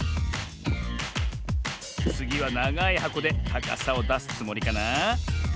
つぎはながいはこでたかさをだすつもりかな？